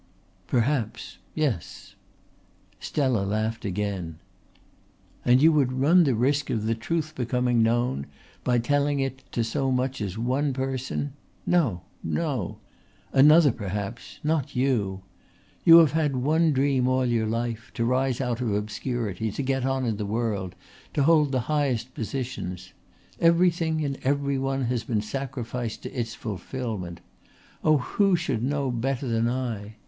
"Perhaps. Yes." Stella laughed again. "And you would run the risk of the truth becoming known by telling it to so much as one person. No, no! Another, perhaps not you! You have had one dream all your life to rise out of obscurity, to get on in the world, to hold the high positions. Everything and every one has been sacrificed to its fulfilment. Oh, who should know better than I?"